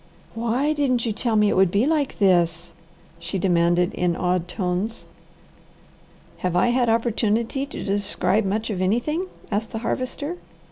"WHY DIDN'T YOU TELL ME IT WOULD BE LIKE THIS?" she demanded in awed tones. "Have I had opportunity to describe much of anything?" asked the Harvester.